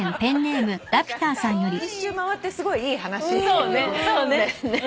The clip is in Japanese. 何か一周回ってすごいいい話だよね。